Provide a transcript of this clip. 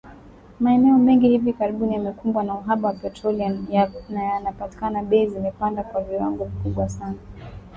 Maeneo mengi hivi karibuni yamekumbwa na uhaba wa petroli na yanapopatikana, bei zimepanda kwa viwango vikubwa sana.